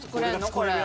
これ。